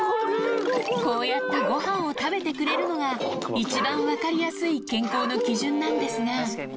こうやってごはんを食べてくれるのが、一番分かりやすい健康の基準なんですが。